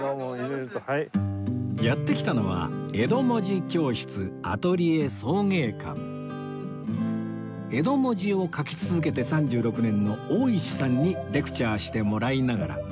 やって来たのは江戸文字教室江戸文字を書き続けて３６年の大石さんにレクチャーしてもらいながら